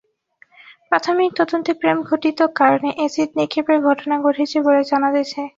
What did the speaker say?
প্রাথমিক তদন্তে প্রেমঘটিত কারণে অ্যাসিড নিক্ষেপের ঘটনা ঘটেছে বলে জানা গেছে।